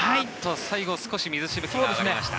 最後は少し水しぶきがありました。